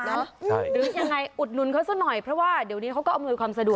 หรือยังไงอุดหนุนเขาซะหน่อยเพราะว่าเดี๋ยวนี้เขาก็อำนวยความสะดวก